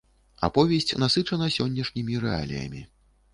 Аповесць насычана сённяшнімі рэаліямі.